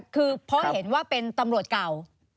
คือเพราะเห็นว่าเป็นตำรวจเก่า